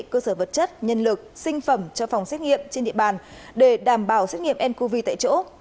cơ sở vật chất nhân lực sinh phẩm cho phòng xét nghiệm trên địa bàn để đảm bảo xét nghiệm ncov tại chỗ